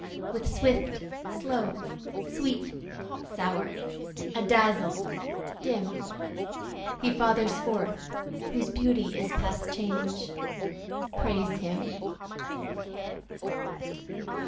With swift, slow; sweet, sour; adazzle, dim; He fathers forth whose beauty is past change: Praise him.